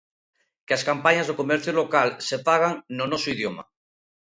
Que as campañas do comercio local se fagan no noso idioma.